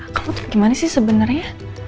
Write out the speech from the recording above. kamu tuh gimana sih sebenarnya